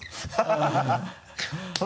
ハハハ